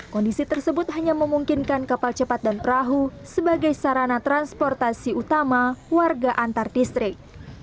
kondisi tersebut hanya memungkinkan kapal cepat dan perahu sebagai sarana transportasi utama warga antar distrik